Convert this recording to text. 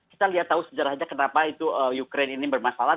kita lihat tahu sejarahnya kenapa itu ukraine ini bermasalah